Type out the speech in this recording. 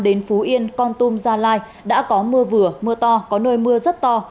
đến phú yên con tum gia lai đã có mưa vừa mưa to có nơi mưa rất to